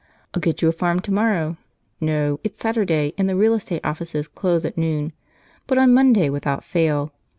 I'll get you a farm to morrow; no, it's Saturday, and the real estate offices close at noon, but on Monday, without fail.